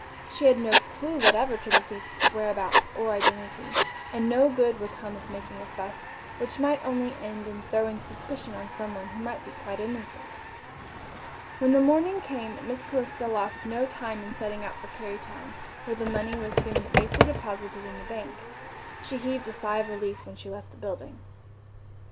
She had no clue whatever to the thief's whereabouts or identity, and no good would come of making a fuss, which might only end in throwing suspicion on someone who might be quite innocent. When the morning came Miss Calista lost no time in setting out for Kerrytown, where the money was soon safely deposited in the bank. She heaved a sigh of relief when she left the building.